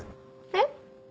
えっ？